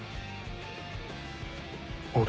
俺？